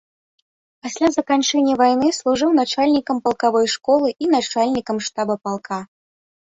Пасля заканчэння вайны служыў начальнікам палкавой школы і начальнікам штаба палка.